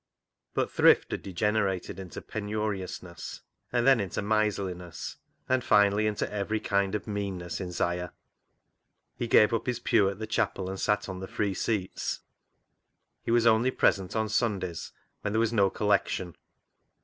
But thrift had degenerated into penurious ness, and then into miserliness, and finally into every kind of meanness in 'Siah. He gave up his pew at the chapel, and sat on the free seats. He was only present on Sundays when there was no collection.